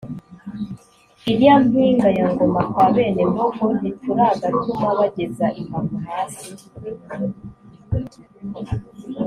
ilya mpinga ya Ngoma kwa bene Mbogo ntituragatuma bageza imbavu hasi